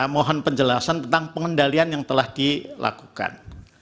mohon penjelasan tentang pengendalian yang telah dilakukan